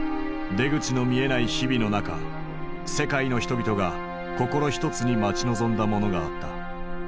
出口の見えない日々の中世界の人々が心ひとつに待ち望んだものがあった。